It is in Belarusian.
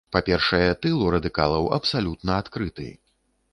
Па-першае, тыл у радыкалаў абсалютна адкрыты.